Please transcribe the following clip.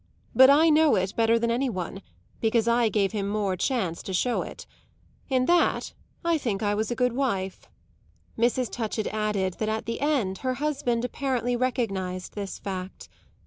But I know it better than any one, because I gave him more chance to show it. In that I think I was a good wife." Mrs. Touchett added that at the end her husband apparently recognised this fact.